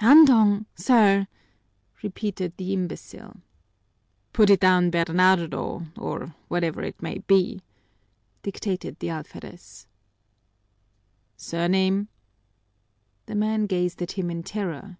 "Andong, sir!" repeated the imbecile. "Put it down Bernardo, or whatever it may be," dictated the alferez. "Surname?" The man gazed at him in terror.